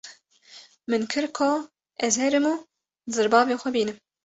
Min kir ko ez herim û zirbavê xwe bînim.